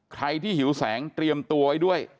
ใครที่หิวแสงเตรียมตัวไว้ด้วย